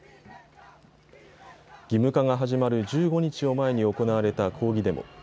義務化が始まる１５日を前に行われた抗議デモ。